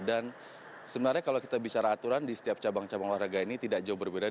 dan sebenarnya kalau kita bicara aturan di setiap cabang cabang olahraga ini tidak jauh berbeda